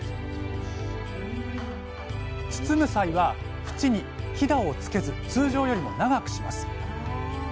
包む際はふちにひだをつけず通常よりも長くします。